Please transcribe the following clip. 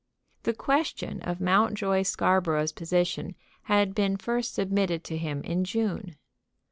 The question of Mountjoy Scarborough's position had been first submitted to him in June.